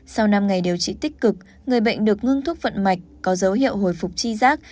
sau năm ngày điều trị tích cực người bệnh được ngưng thuốc vận mạch có dấu hiệu hồi phục chi giác